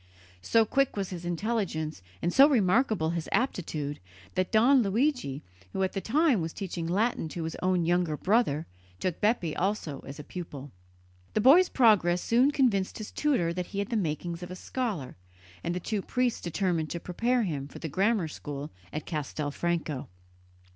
So quick was his intelligence and so remarkable his aptitude that Don Luigi, who at the time was teaching Latin to his own younger brother, took Bepi also as pupil. The boy's progress soon convinced his tutor that he had the makings of a scholar, and the two priests determined to prepare him for the grammar school at Castelfranco.